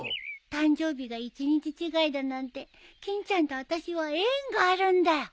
誕生日が一日違いだなんて欽ちゃんとあたしは縁があるんだよ。